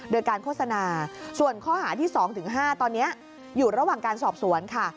โดยการโฆษณาส่วนข้อหาที่๒๕ตอนนี้อยู่ระหว่างการสอบสวนค่ะ